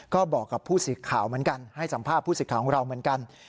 ก็บอกกับผู้สื่อข่าวเหมือนกันให้สัมภาษณ์ผู้สิทธิ์ของเราเหมือนกัน